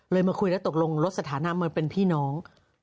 มาคุยแล้วตกลงลดสถานะมาเป็นพี่น้อง